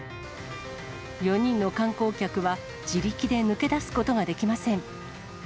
４人の観光客は自力で抜け出すことができません。